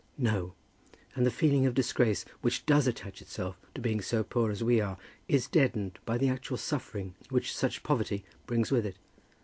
"No; and the feeling of disgrace which does attach itself to being so poor as we are is deadened by the actual suffering which such poverty brings with it.